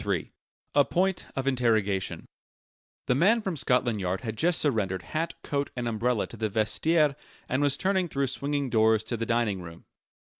III A POINT OF INTERROGATION The man from Scotland Yard had just surrendered hat, coat, and umbrella to the vestiaire and was turning through swinging doors to the dining room.